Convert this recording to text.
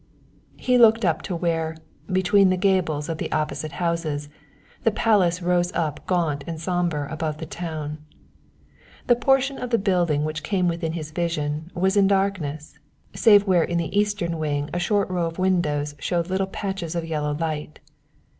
He looked up to where, between the gables of the opposite houses, the palace rose up gaunt and sombre above the town. The portion of the building which came within his vision was in darkness, save where in the eastern wing a short row of windows showed little patches of yellow light.